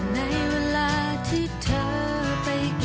ในเวลาที่เธอไปกิน